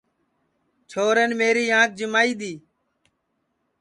چھورین میری آنکھ جیمائی دؔی